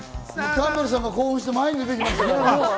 キャンベルさんが興奮して前に出てきましたよ。